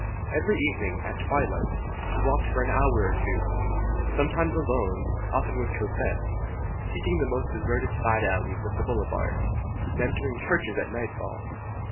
Every evening, at twilight, he walked for an hour or two, sometimes alone, often with Cosette, seeking the most deserted side alleys of the boulevard, and entering churches at nightfall.